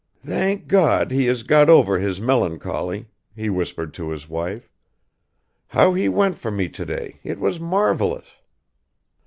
"Thank God, he has got over his melancholy," he whispered to his wife. "How he went for me today, it was marvelous!"